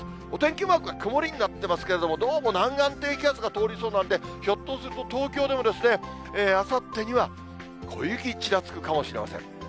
お天気マークは曇りになってますけれども、どうも南岸低気圧が通りそうなんで、ひょっとすると東京でもあさってには小雪ちらつくかもしれません。